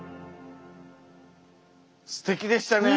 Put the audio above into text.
すてきでしたね。